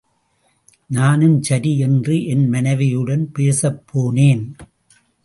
நானும் சரி என்று என் மனைவியுடன் பேசப்போனேன்.